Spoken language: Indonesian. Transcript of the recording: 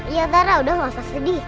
ya zara udah masa sedih